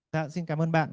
dạ xin cảm ơn bạn